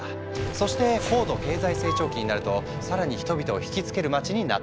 そして高度経済成長期になると更に人々を引きつける街になっていく。